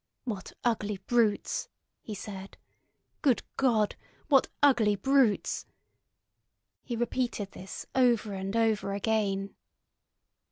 "What ugly brutes!" he said. "Good God! What ugly brutes!" He repeated this over and over again.